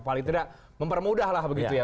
paling tidak mempermudahlah begitu ya